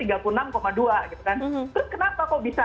gitu kan terus kenapa kok bisa